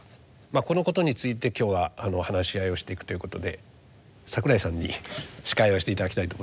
このことについて今日は話し合いをしていくということで櫻井さんに司会をしていただきたいと思います。